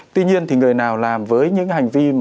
tuy nhiên thì người nào làm với những hành vi